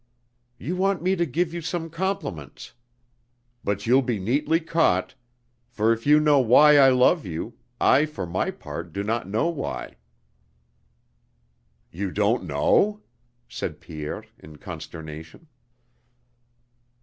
"You want me to give you some compliments. But you'll be neatly caught. For if you know why I love you, I for my part do not know why." "You don't know?" said Pierre in consternation.